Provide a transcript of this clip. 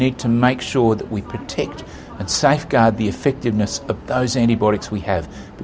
kita harus memastikan dan melindungi efektivitas antibiotik yang kita miliki